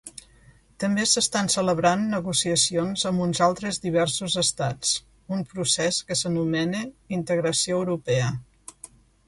També s'estan celebrant negociacions amb uns altres diversos estats, un procés que s'anomena Integració europea.